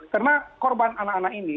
karena korban anak anak ini